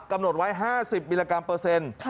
กำหนดไว้๕๐มิลลิกรัมเปอร์เซ็นต์